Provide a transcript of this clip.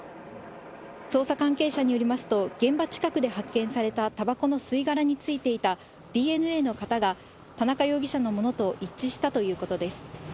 捜査関係者によりますと、現場近くで発見されたたばこの吸い殻についていたＤＮＡの型が田中容疑者のものと一致したということです。